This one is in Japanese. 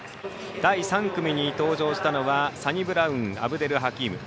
第３組に登場したのはサニブラウンアブデルハキーム。